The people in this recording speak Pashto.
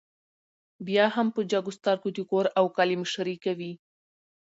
بيا هم په جګو سترګو د کور او کلي مشري کوي